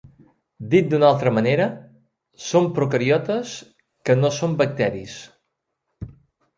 Dit d'una altra manera, són procariotes que no són bacteris.